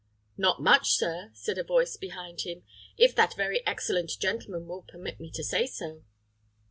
"Not much, sir," said a voice behind him; "if that very excellent gentleman will permit me to say so."